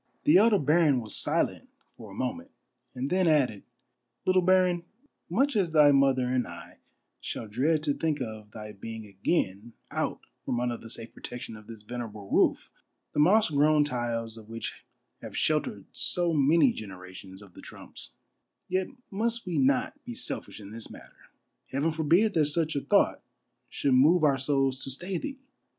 The elder baron was silent for a moment, and then added :" Little baron, much as thy mother and I shall dread to think of thy being again out from under the safe protection of this venerable roof, the moss grown tiles of which have sheltered so many generations of the Trumps, yet must we not be selfish in this matter. Heaven forbid that such a thought should move our souls to stay thee